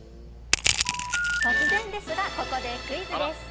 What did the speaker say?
◆突然ですが、ここでクイズです。